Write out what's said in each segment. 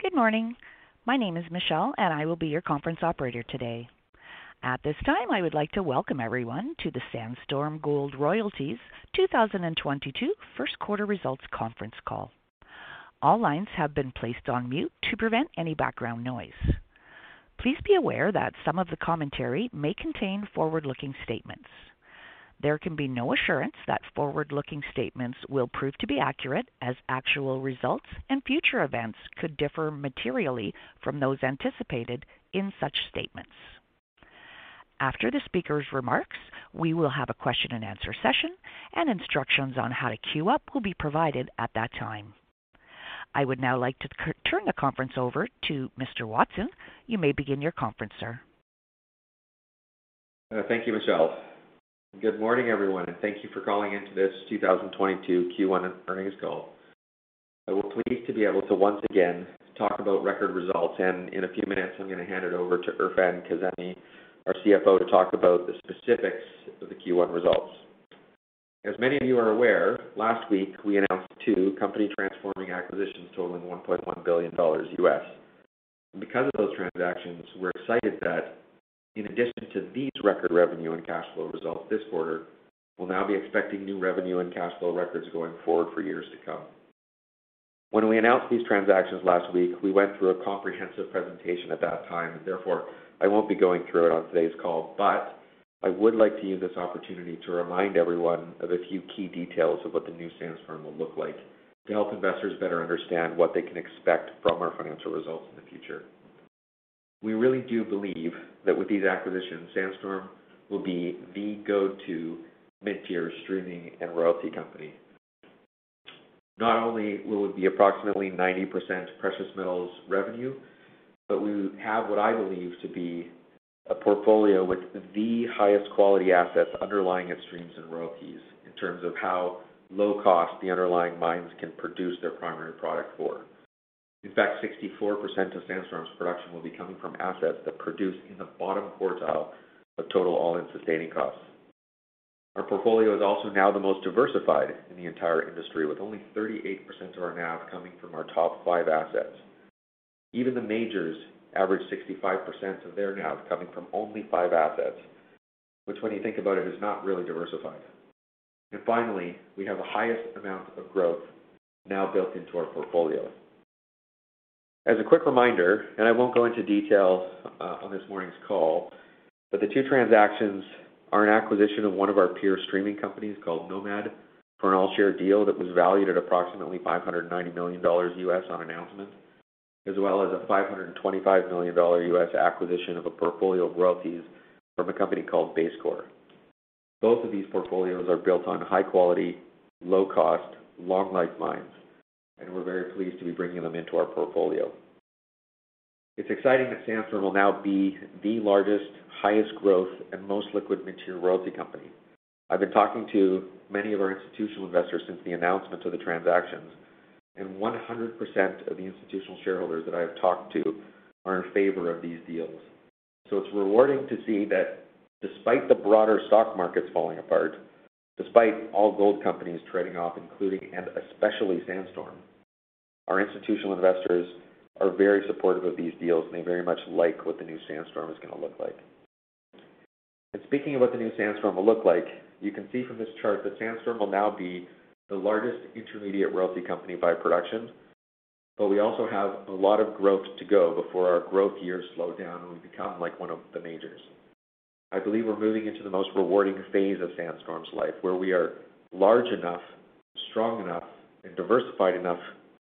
Good morning. My name is Michelle, and I will be your conference operator today. At this time, I would like to welcome everyone to the Sandstorm Gold Royalties 2022 First Quarter Results Conference Call. All lines have been placed on mute to prevent any background noise. Please be aware that some of the commentary may contain forward-looking statements. There can be no assurance that forward-looking statements will prove to be accurate, as actual results and future events could differ materially from those anticipated in such statements. After the speaker's remarks, we will have a question and answer session, and instructions on how to queue up will be provided at that time. I would now like to turn the conference over to Mr. Watson. You may begin your conference, sir. Thank you, Michelle. Good morning, everyone, and thank you for calling in to this 2022 Q1 earnings call. I was pleased to be able to once again talk about record results, and in a few minutes I'm gonna hand it over to Erfan Kazemi, our CFO, to talk about the specifics of the Q1 results. As many of you are aware, last week we announced two company transforming acquisitions totaling $1.1 billion. Because of those transactions, we're excited that in addition to these record revenue and cash flow results this quarter, we'll now be expecting new revenue and cash flow records going forward for years to come. When we announced these transactions last week, we went through a comprehensive presentation at that time, and therefore I won't be going through it on today's call. I would like to use this opportunity to remind everyone of a few key details of what the new Sandstorm will look like to help investors better understand what they can expect from our financial results in the future. We really do believe that with these acquisitions, Sandstorm will be the go-to mid-tier streaming and royalty company. Not only will it be approximately 90% precious metals revenue, but we have what I believe to be a portfolio with the highest quality assets underlying its streams and royalties in terms of how low cost the underlying mines can produce their primary product for. In fact, 64% of Sandstorm's production will be coming from assets that produce in the bottom quartile of total all-in sustaining costs. Our portfolio is also now the most diversified in the entire industry, with only 38% of our NAV coming from our top five assets. Even the majors average 65% of their NAV coming from only five assets, which when you think about it, is not really diversified. Finally, we have the highest amount of growth now built into our portfolio. As a quick reminder, and I won't go into detail, on this morning's call, but the two transactions are an acquisition of one of our peer streaming companies called Nomad for an all-share deal that was valued at approximately $590 million on announcement, as well as a $525 million acquisition of a portfolio of royalties from a company called BaseCore. Both of these portfolios are built on high quality, low cost, long life mines, and we're very pleased to be bringing them into our portfolio. It's exciting that Sandstorm will now be the largest, highest growth, and most liquid mid-tier royalty company. I've been talking to many of our institutional investors since the announcement of the transactions, and 100% of the institutional shareholders that I have talked to are in favor of these deals. It's rewarding to see that despite the broader stock markets falling apart, despite all gold companies trading off, including and especially Sandstorm, our institutional investors are very supportive of these deals, and they very much like what the new Sandstorm is gonna look like. Speaking of what the new Sandstorm will look like, you can see from this chart that Sandstorm will now be the largest intermediate royalty company by production. We also have a lot of growth to go before our growth years slow down, and we become like one of the majors. I believe we're moving into the most rewarding phase of Sandstorm's life, where we are large enough, strong enough, and diversified enough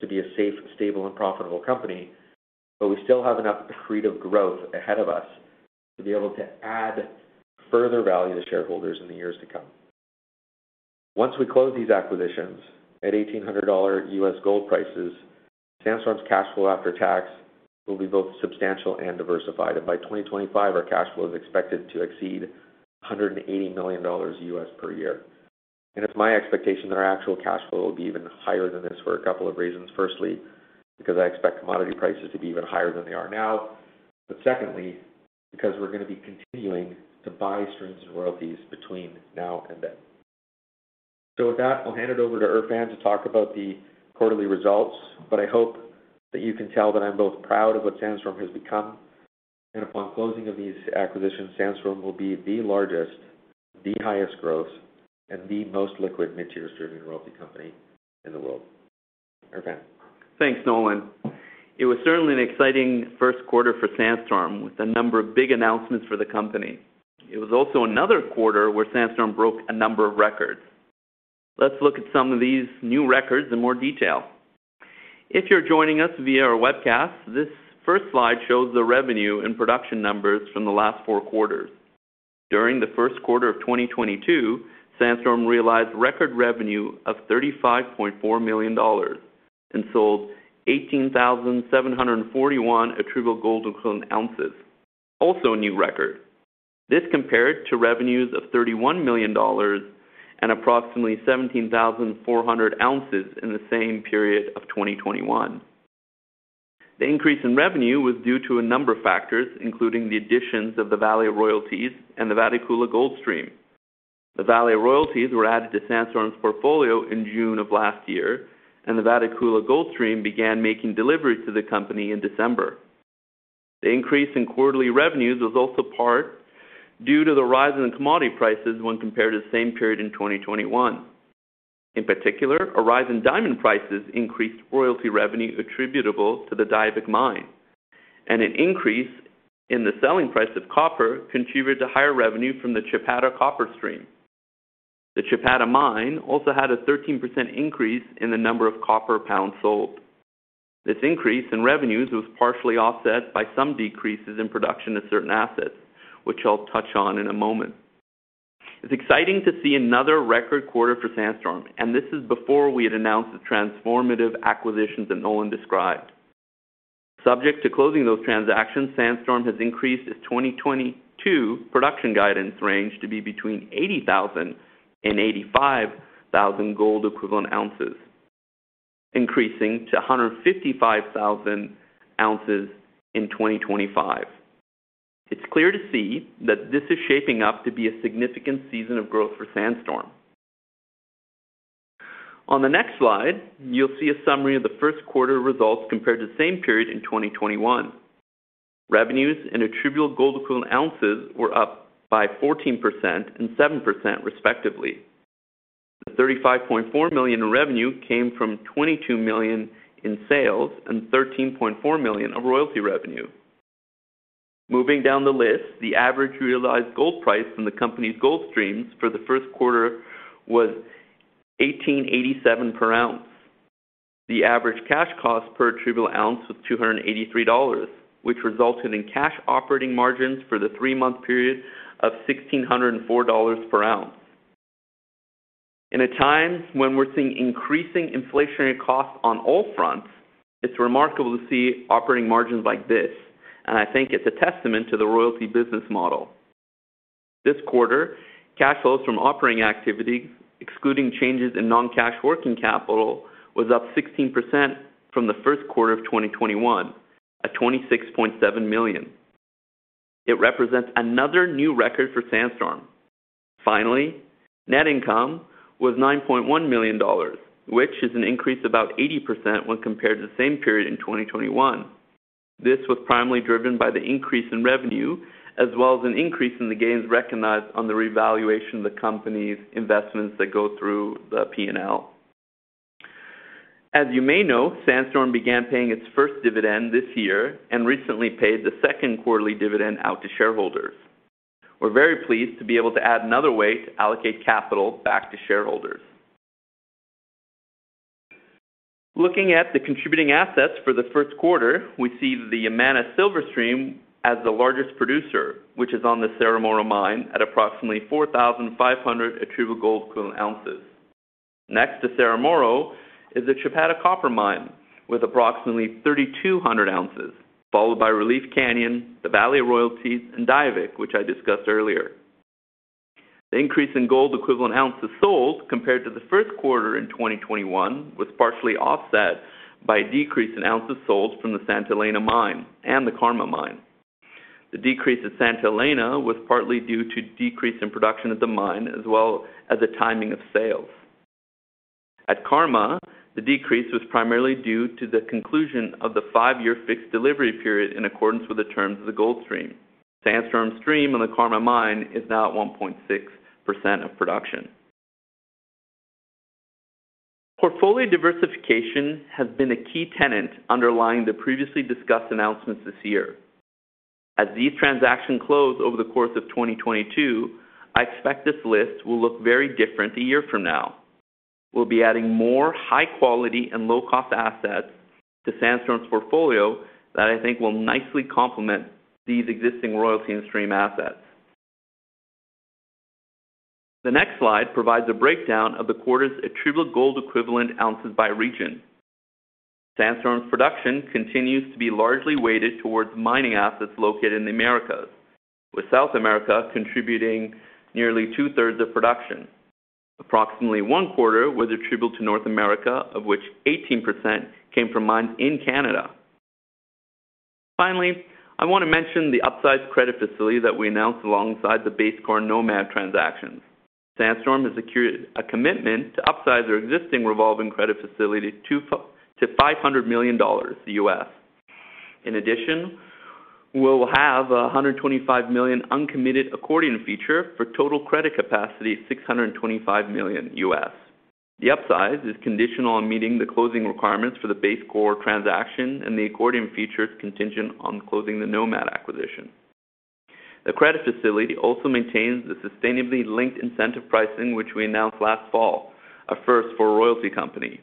to be a safe, stable, and profitable company, but we still have enough creative growth ahead of us to be able to add further value to shareholders in the years to come. Once we close these acquisitions, at $1,800 US gold prices, Sandstorm's cash flow after tax will be both substantial and diversified. By 2025, our cash flow is expected to exceed $180 million US per year. It's my expectation that our actual cash flow will be even higher than this for a couple of reasons. Firstly, because I expect commodity prices to be even higher than they are now. But secondly, because we're gonna be continuing to buy streams and royalties between now and then. With that, I'll hand it over to Erfan to talk about the quarterly results, but I hope that you can tell that I'm both proud of what Sandstorm has become. Upon closing of these acquisitions, Sandstorm will be the largest, the highest growth, and the most liquid mid-tier streaming royalty company in the world. Erfan. Thanks, Nolan. It was certainly an exciting first quarter for Sandstorm, with a number of big announcements for the company. It was also another quarter where Sandstorm broke a number of records. Let's look at some of these new records in more detail. If you're joining us via our webcast, this first slide shows the revenue and production numbers from the last four quarters. During the first quarter of 2022, Sandstorm realized record revenue of $35.4 million and sold 18,741 attributable gold equivalent ounces. Also a new record. This compared to revenues of $31 million and approximately 17,400 ounces in the same period of 2021. The increase in revenue was due to a number of factors, including the additions of the Vale Royalties and the Vatukoula Gold Stream. The Vale Royalties were added to Sandstorm's portfolio in June of last year, and the Vatukoula Gold Stream began making deliveries to the company in December. The increase in quarterly revenues was also part due to the rise in commodity prices when compared to the same period in 2021. In particular, a rise in diamond prices increased royalty revenue attributable to the Diavik mine. An increase in the selling price of copper contributed to higher revenue from the Chapada Copper Stream. The Chapada mine also had a 13% increase in the number of copper pounds sold. This increase in revenues was partially offset by some decreases in production of certain assets, which I'll touch on in a moment. It's exciting to see another record quarter for Sandstorm, and this is before we had announced the transformative acquisitions that Nolan described. Subject to closing those transactions, Sandstorm has increased its 2022 production guidance range to be between 80,000-85,000 gold equivalent ounces, increasing to 155,000 ounces in 2025. It's clear to see that this is shaping up to be a significant season of growth for Sandstorm. On the next slide, you'll see a summary of the first quarter results compared to the same period in 2021. Revenues and attributable gold equivalent ounces were up by 14% and 7%, respectively. The $35.4 million in revenue came from $22 million in sales and $13.4 million of royalty revenue. Moving down the list, the average realized gold price from the company's gold streams for the first quarter was $1,887 per ounce. The average cash cost per attributable ounce was $283, which resulted in cash operating margins for the three-month period of $1,604 per ounce. In a time when we're seeing increasing inflationary costs on all fronts, it's remarkable to see operating margins like this, and I think it's a testament to the royalty business model. This quarter, cash flows from operating activity, excluding changes in non-cash working capital, was up 16% from the first quarter of 2021 at $26.7 million. It represents another new record for Sandstorm. Finally, net income was $9.1 million, which is an increase of about 80% when compared to the same period in 2021. This was primarily driven by the increase in revenue, as well as an increase in the gains recognized on the revaluation of the company's investments that go through the P&L. As you may know, Sandstorm began paying its first dividend this year and recently paid the second quarterly dividend out to shareholders. We're very pleased to be able to add another way to allocate capital back to shareholders. Looking at the contributing assets for the first quarter, we see the Yamana Silver Stream as the largest producer, which is on the Cerro Moro mine at approximately 4,500 attributable gold equivalent ounces. Next to Cerro Moro is the Chapada Copper Mine with approximately 3,200 ounces, followed by Relief Canyon, the Vale Royalties, and Diavik, which I discussed earlier. The increase in gold equivalent ounces sold compared to the first quarter in 2021 was partially offset by a decrease in ounces sold from the Santa Elena Mine and the Karma Mine. The decrease at Santa Elena was partly due to decrease in production at the mine, as well as the timing of sales. At Karma, the decrease was primarily due to the conclusion of the 5-year fixed delivery period in accordance with the terms of the gold stream. Sandstorm's stream on the Karma mine is now at 1.6% of production. Portfolio diversification has been a key tenet underlying the previously discussed announcements this year. As these transactions close over the course of 2022, I expect this list will look very different a year from now. We'll be adding more high quality and low cost assets to Sandstorm's portfolio that I think will nicely complement these existing royalty and stream assets. The next slide provides a breakdown of the quarter's attributable gold equivalent ounces by region. Sandstorm's production continues to be largely weighted towards mining assets located in the Americas, with South America contributing nearly two-thirds of production. Approximately one quarter was attributable to North America, of which 18% came from mines in Canada. Finally, I want to mention the upsized credit facility that we announced alongside the BaseCore Nomad transactions. Sandstorm has secured a commitment to upsize our existing revolving credit facility to $500 million. In addition, we'll have a $125 million uncommitted accordion feature for total credit capacity of $625 million. The upsize is conditional on meeting the closing requirements for the BaseCore transaction and the accordion feature is contingent on closing the Nomad acquisition. The credit facility also maintains the sustainability-linked incentive pricing, which we announced last fall, a first for a royalty company.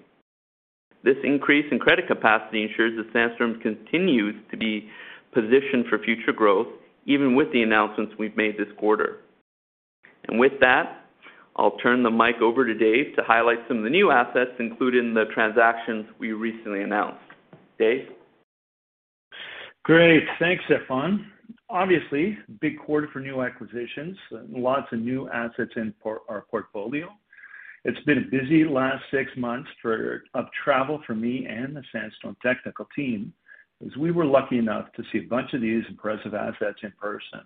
This increase in credit capacity ensures that Sandstorm continues to be positioned for future growth, even with the announcements we've made this quarter. With that, I'll turn the mic over to Dave to highlight some of the new assets included in the transactions we recently announced. Dave? Great. Thanks, Erfan. Obviously, big quarter for new acquisitions and lots of new assets in our portfolio. It's been a busy last six months of travel for me and the Sandstorm technical team as we were lucky enough to see a bunch of these impressive assets in person.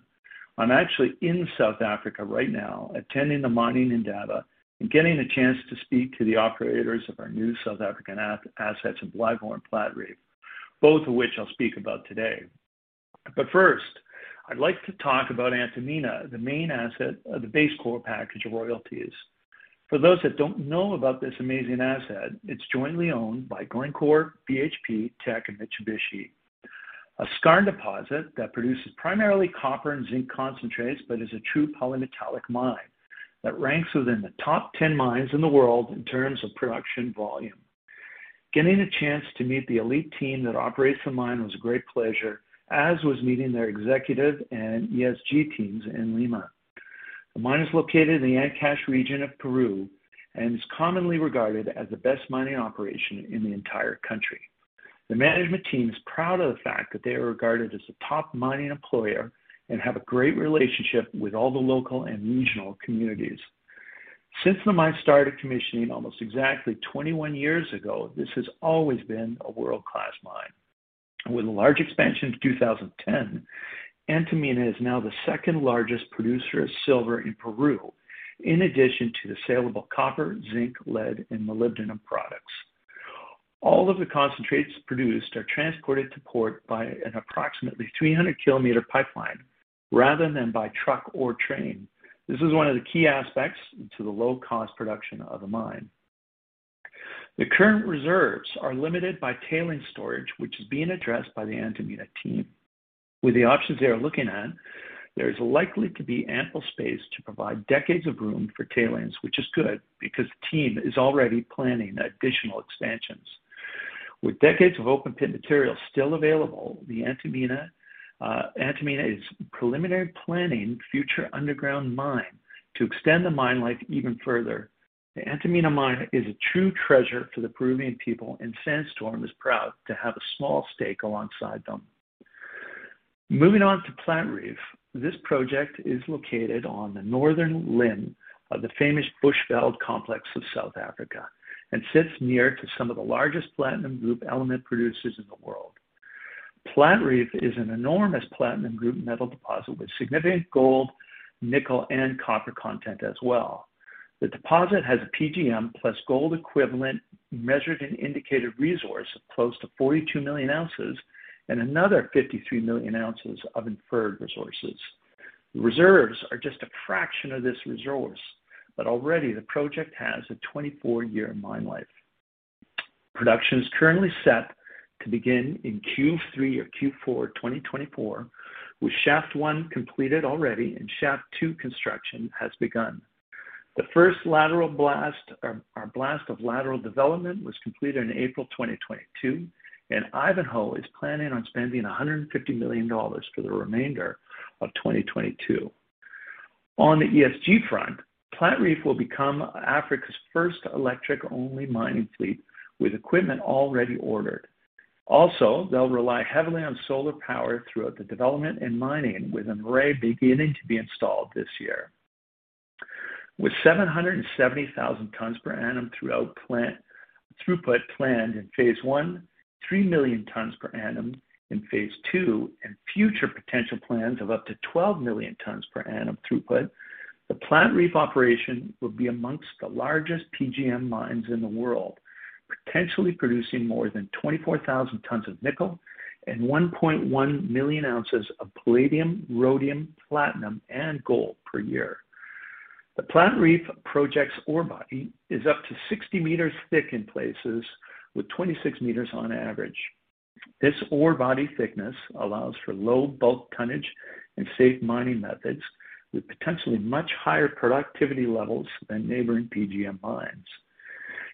I'm actually in South Africa right now attending the Mining Indaba and getting a chance to speak to the operators of our new South African assets in Blyvoor and Platreef, both of which I'll speak about today. First, I'd like to talk about Antamina, the main asset of the BaseCore package of royalties. For those that don't know about this amazing asset, it's jointly owned by Glencore, BHP, Teck and Mitsubishi. A skarn deposit that produces primarily copper and zinc concentrates but is a true polymetallic mine that ranks within the top 10 mines in the world in terms of production volume. Getting a chance to meet the elite team that operates the mine was a great pleasure, as was meeting their executive and ESG teams in Lima. The mine is located in the Áncash region of Peru and is commonly regarded as the best mining operation in the entire country. The management team is proud of the fact that they are regarded as a top mining employer and have a great relationship with all the local and regional communities. Since the mine started commissioning almost exactly 21 years ago, this has always been a world-class mine. With a large expansion in 2010, Antamina is now the second-largest producer of silver in Peru, in addition to the saleable copper, zinc, lead and molybdenum products. All of the concentrates produced are transported to port by an approximately 300-kilometer pipeline rather than by truck or train. This is one of the key aspects to the low cost production of the mine. The current reserves are limited by tailings storage, which is being addressed by the Antamina team. With the options they are looking at, there is likely to be ample space to provide decades of room for tailings, which is good because the team is already planning additional expansions. With decades of open pit material still available, the Antamina is preliminarily planning future underground mine to extend the mine life even further. The Antamina mine is a true treasure for the Peruvian people, and Sandstorm is proud to have a small stake alongside them. Moving on to Platreef, this project is located on the northern limb of the famous Bushveld complex of South Africa and sits near to some of the largest platinum group elements producers in the world. Platreef is an enormous platinum group metal deposit with significant gold, nickel and copper content as well. The deposit has a PGM plus gold equivalent measured and indicated resource of close to 42 million ounces and another 53 million ounces of inferred resources. The reserves are just a fraction of this resource, but already the project has a 24-year mine life. Production is currently set to begin in Q3 or Q4 2024, with shaft one completed already and shaft two construction has begun. The first lateral blast of lateral development was completed in April 2022, and Ivanhoe is planning on spending $150 million for the remainder of 2022. On the ESG front, Platreef will become Africa's first electric-only mining fleet with equipment already ordered. Also, they'll rely heavily on solar power throughout the development and mining, with an array beginning to be installed this year. With 770,000 tons per annum throughput planned in phase one, 3 million tons per annum in phase two, and future potential plans of up to 12 million tons per annum throughput, the Platreef operation will be among the largest PGM mines in the world, potentially producing more than 24,000 tons of nickel and 1.1 million ounces of palladium, rhodium, platinum and gold per year. The Platreef project's ore body is up to 60 meters thick in places with 26 meters on average. This ore body thickness allows for low bulk tonnage and safe mining methods with potentially much higher productivity levels than neighboring PGM mines.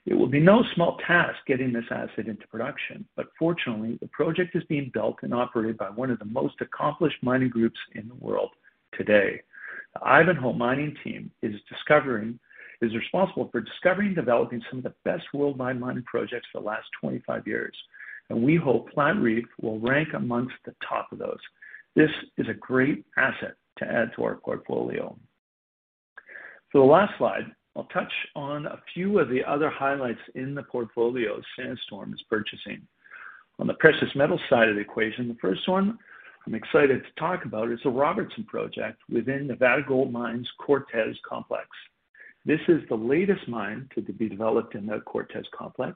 It will be no small task getting this asset into production, but fortunately, the project is being built and operated by one of the most accomplished mining groups in the world today. The Ivanhoe mining team is responsible for discovering and developing some of the best worldwide mining projects for the last 25 years, and we hope Platreef will rank amongst the top of those. This is a great asset to add to our portfolio. For the last slide, I'll touch on a few of the other highlights in the portfolio Sandstorm is purchasing. On the precious metal side of the equation, the first one I'm excited to talk about is the Robertson project within Nevada Gold Mines' Cortez Complex. This is the latest mine to be developed in the Cortez Complex,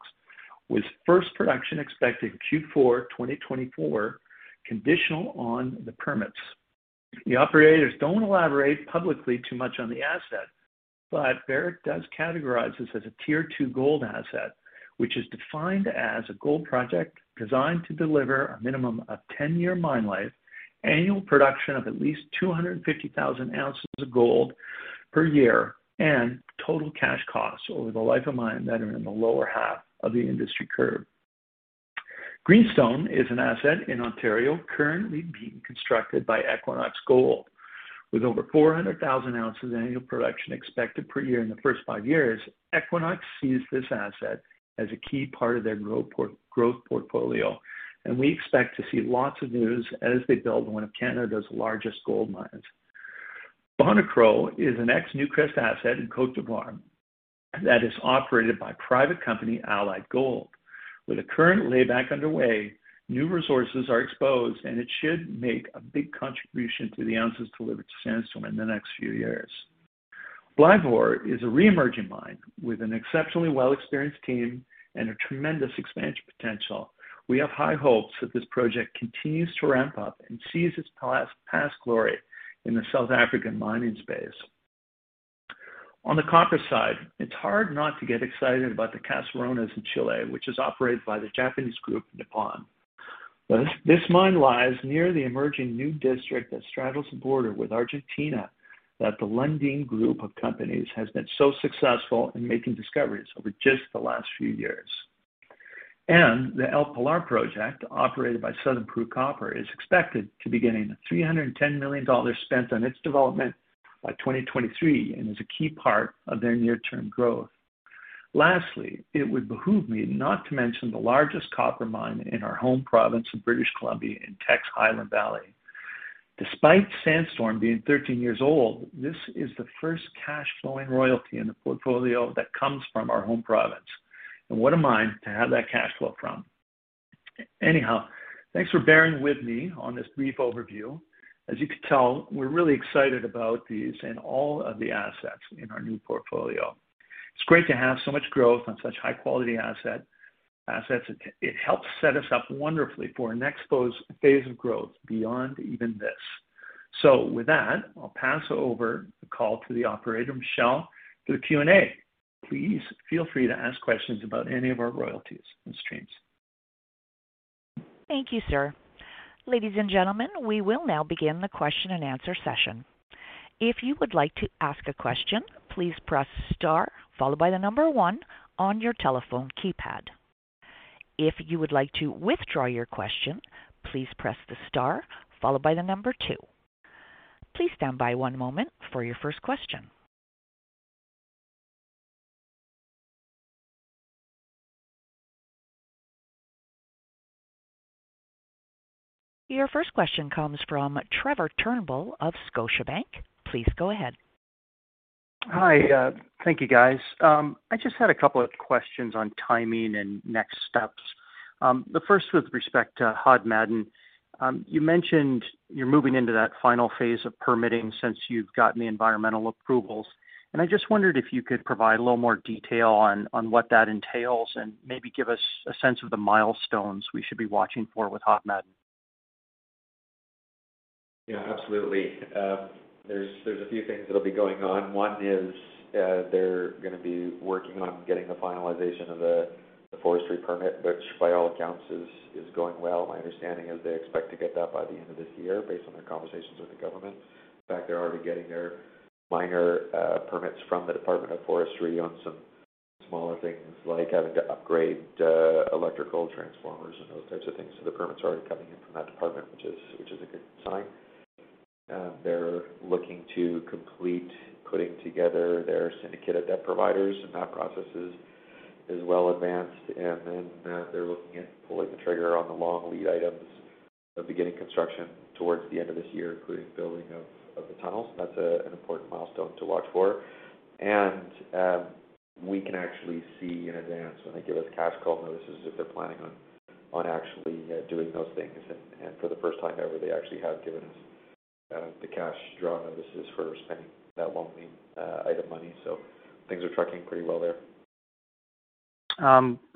with first production expected Q4 2024, conditional on the permits. The operators don't elaborate publicly too much on the asset, but Barrick does categorize this as a tier two gold asset, which is defined as a gold project designed to deliver a minimum of 10-year mine life, annual production of at least 250,000 ounces of gold per year, and total cash costs over the life of mine that are in the lower half of the industry curve. Greenstone is an asset in Ontario currently being constructed by Equinox Gold. With over 400,000 ounces annual production expected per year in the first five years, Equinox sees this asset as a key part of their growth portfolio, and we expect to see lots of news as they build one of Canada's largest gold mines. Bonikro is an ex Newcrest asset in Côte d'Ivoire that is operated by private company Allied Gold. With a current layback underway, new resources are exposed, and it should make a big contribution to the ounces delivered to Sandstorm in the next few years. Blyvoor is a re-emerging mine with an exceptionally well-experienced team and a tremendous expansion potential. We have high hopes that this project continues to ramp up and seize its past glory in the South African mining space. On the copper side, it's hard not to get excited about the Caserones in Chile, which is operated by the Japanese group Nippon. This mine lies near the emerging new district that straddles the border with Argentina that the Lundin Group of Companies has been so successful in making discoveries over just the last few years. The El Pilar project, operated by Southern Copper Corporation, is expected to be getting $310 million spent on its development by 2023 and is a key part of their near-term growth. Lastly, it would behoove me not to mention the largest copper mine in our home province of British Columbia in Teck Highland Valley. Despite Sandstorm being 13 years old, this is the first cash flowing royalty in the portfolio that comes from our home province. What a mine to have that cash flow from. Anyhow, thanks for bearing with me on this brief overview. As you can tell, we're really excited about these and all of the assets in our new portfolio. It's great to have so much growth on such high-quality asset, assets. It helps set us up wonderfully for our next phase of growth beyond even this. With that, I'll pass over the call to the operator, Michelle, for the Q&A. Please feel free to ask questions about any of our royalties and streams. Thank you, sir. Ladies and gentlemen, we will now begin the question and answer session. If you would like to ask a question, please press star followed by the number one on your telephone keypad. If you would like to withdraw your question, please press the star followed by the number two. Please stand by one moment for your first question. Your first question comes from Trevor Turnbull of Scotiabank. Please go ahead. Hi. Thank you, guys. I just had a couple of questions on timing and next steps. The first with respect to Hod Maden. You mentioned you're moving into that final phase of permitting since you've gotten the environmental approvals, and I just wondered if you could provide a little more detail on what that entails and maybe give us a sense of the milestones we should be watching for with Hod Maden. Yeah, absolutely. There's a few things that'll be going on. One is, they're gonna be working on getting the finalization of the forestry permit, which by all accounts is going well. My understanding is they expect to get that by the end of this year, based on their conversations with the government. In fact, they're already getting their minor permits from the Department of Forestry on some smaller things like having to upgrade electrical transformers and those types of things. So the permits are already coming in from that department, which is a good sign. They're looking to complete putting together their syndicate of debt providers, and that process is well advanced. Then, they're looking at pulling the trigger on the long lead items of beginning construction towards the end of this year, including building of the tunnels. That's an important milestone to watch for. We can actually see in advance when they give us cash call notices if they're planning on actually doing those things. For the first time ever, they actually have given us the cash draw notices for spending that long lead item money. Things are tracking pretty well there.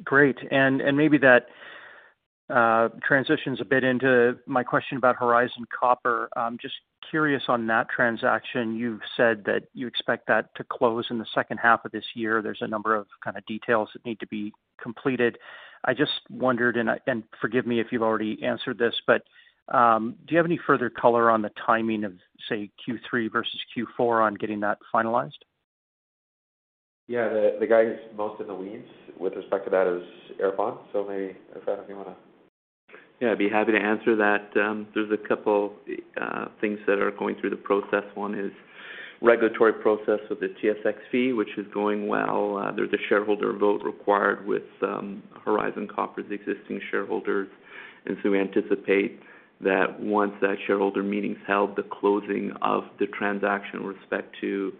Great. Maybe that transitions a bit into my question about Horizon Copper. I'm just curious on that transaction. You've said that you expect that to close in the second half of this year. There's a number of kinda details that need to be completed. I just wondered, and forgive me if you've already answered this, but, do you have any further color on the timing of, say, Q3 versus Q4 on getting that finalized? Yeah. The guy who's most in the weeds with respect to that is Erfan. Maybe, Erfan, if you wanna- Yeah, I'd be happy to answer that. There's a couple things that are going through the process. One is regulatory process with the TSX, which is going well. There's a shareholder vote required with Horizon Copper's existing shareholders. We anticipate that once that shareholder meeting's held, the closing of the transaction with respect to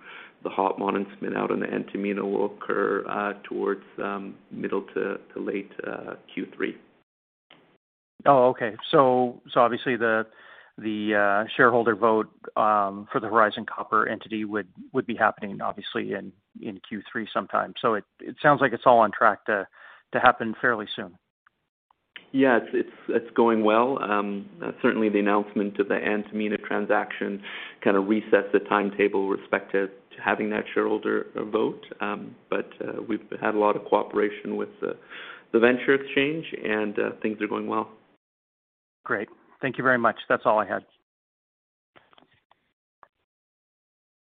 the Hod Maden spin-out on the Antamina will occur towards middle to late Q3. Oh, okay. Obviously the shareholder vote for the Horizon Copper entity would be happening obviously in Q3 sometime. It sounds like it's all on track to happen fairly soon. Yeah. It's going well. Certainly the announcement of the Antamina transaction kinda reset the timetable with respect to having that shareholder vote. We've had a lot of cooperation with the TSX Venture Exchange, and things are going well. Great. Thank you very much. That's all I had.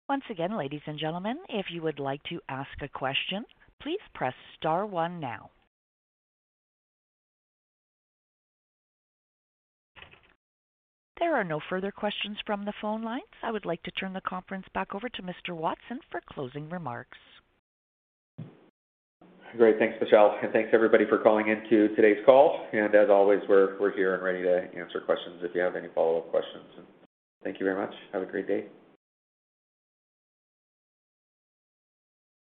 Once again, ladies and gentlemen, if you would like to ask a question, please press star one now. There are no further questions from the phone lines. I would like to turn the conference back over to Mr. Watson for closing remarks. Great. Thanks, Michelle, and thanks everybody for calling in to today's call. As always, we're here and ready to answer questions if you have any follow-up questions. Thank you very much. Have a great day.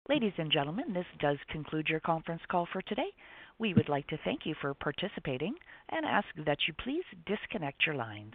Ladies and gentlemen, this does conclude your conference call for today. We would like to thank you for participating and ask that you please disconnect your lines.